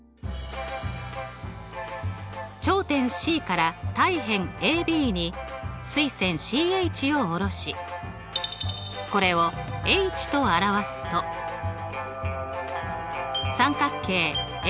頂点Ｃから対辺ＡＢに垂線ＣＨを下ろしこれをｈと表すと三角形